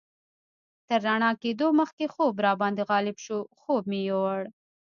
تر رڼا کېدو مخکې خوب راباندې غالب شو، خوب مې یوړ.